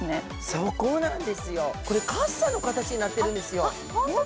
そこなんですよ、カッサの形になってるんですよ。